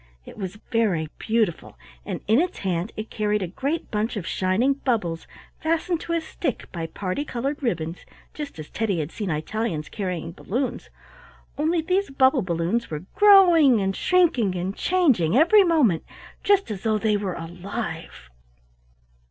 It was very beautiful, and in its hand it carried a great bunch of shining bubbles, fastened to a stick by parti colored ribbons, just as Teddy had seen Italians carrying balloons, only these bubble balloons were growing and shrinking and changing every moment, just as though they were alive.